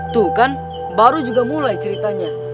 tuh kan baru juga mulai ceritanya